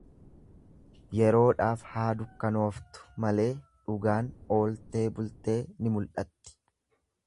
Yeroodhaaf haa dukkanooftu malee dhugaan ooltee bultee ni mul'atti.